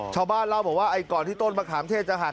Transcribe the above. ชาวบ้านเล่าบอกว่าก่อนที่ต้นมะขามเทศจะหัก